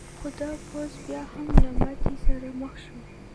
خو دا پوځ بیا هم له ماتې سره مخ شو.